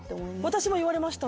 私も言われましたね。